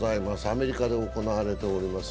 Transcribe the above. アメリカで行われております